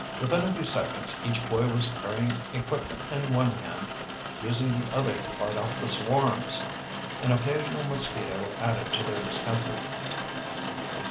Within a few seconds each boy was carrying equipment in one hand, using the other to fight off the swarms. An occasional mosquito added to their discomfort.